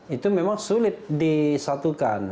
itu memang sulit disatukan